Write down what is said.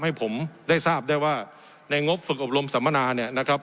ให้ผมได้ทราบได้ว่าในงบฝึกอบรมสัมมนาเนี่ยนะครับ